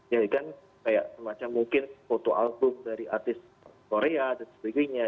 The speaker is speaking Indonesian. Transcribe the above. jadi kan kayak semacam mungkin foto album dari artis korea dan sebagainya